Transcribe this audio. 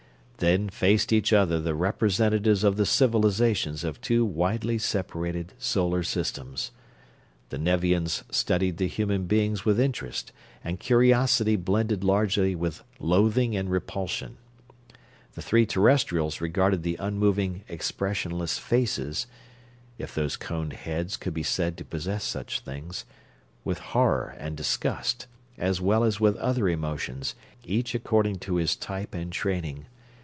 Then faced each other the representatives of the civilizations of two widely separated solar systems. The Nevians studied the human beings with interest and curiosity blended largely with loathing and repulsion; the three Terrestrials regarded the unmoving, expressionless "faces" if those coned heads could be said to possess such things with horror and disgust, as well as with other emotions, each according to his type and training.